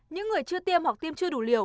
những người chưa tiêm hoặc tiêm chưa đủ liều